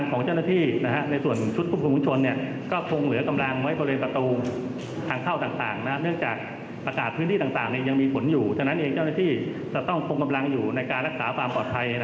ต้องคงกำลังอยู่ในการรักษาความปลอดภัย